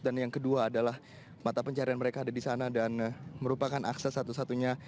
dan yang kedua adalah mata pencarian mereka ada di sana dan merupakan akses satu satunya